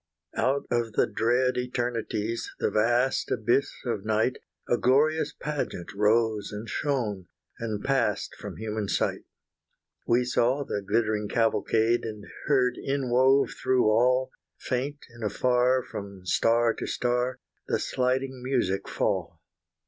Out of the dread eternities, The vast abyss of night, A glorious pageant rose and shone, And passed from human sight. We saw the glittering cavalcade, And heard inwove through all, Faint and afar from star to star, The sliding music fall.